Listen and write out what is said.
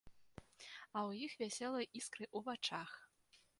А ў іх вясёлыя іскры ў вачах.